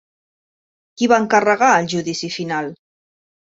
Qui va encarregar El Judici Final?